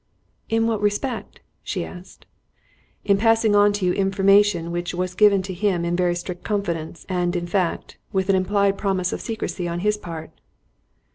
"In what respect?" she asked. "In passing on to you information which was given to him in very strict confidence, and, in fact, with an implied promise of secrecy on his part."